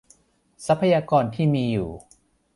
ทรัพยากรที่มีอยู่